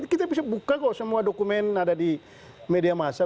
kita bisa buka kok semua dokumen ada di media masa